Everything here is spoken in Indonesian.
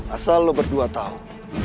asal lo berdua tau